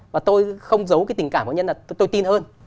và tôi không giấu cái tình cảm của nhân là tôi tin hơn